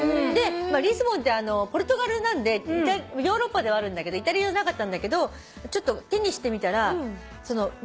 リスボンってポルトガルなんでヨーロッパではあるんだけどイタリアじゃなかったんだけどちょっと手にしてみたらリスボンでの。